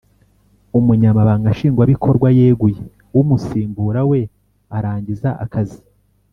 umunyamabanga Nshingwabikorwa yeguye umusimbura we arangiza akazi